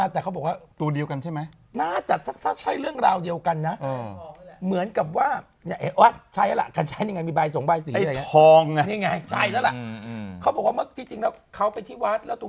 อายุ๑๐๒ปีกับอีก๑๙๔วัง